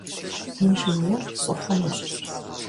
Инженер сыхъунущ.